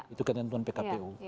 itu ketentuan pkpu